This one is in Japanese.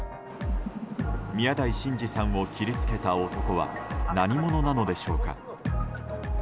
宮台真司さんを切りつけた男は何者なのでしょうか。